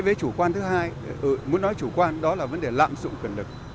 cái chủ quan thứ hai muốn nói chủ quan đó là vấn đề lạm dụng quyền lực